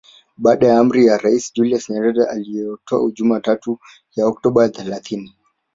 Baada ya amri ya Rais Julius Nyerere aliyoitoa Jumatatu ya Oktoba thelathini